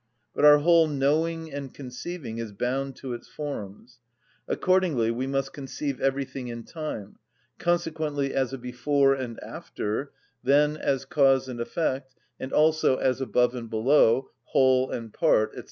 But our whole knowing and conceiving is bound to its forms; accordingly we must conceive everything in time, consequently as a before and after, then as cause and effect, and also as above and below, whole and part, &c.